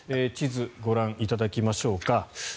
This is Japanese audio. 地図、ご覧いただきましょうか。